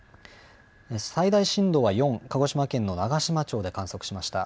最大震度は４、鹿児島県の長島町で観測しました。